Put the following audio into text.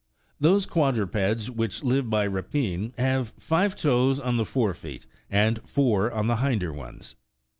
Those quadrupeds which live by rapine have five toes on the fore feet, and four on the hinder ones.